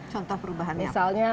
contoh perubahan misalnya